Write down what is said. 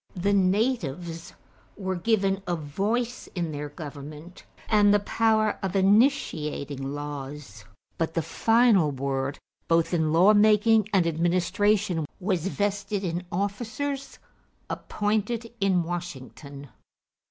The natives were given a voice in their government and the power of initiating laws; but the final word both in law making and administration was vested in officers appointed in Washington.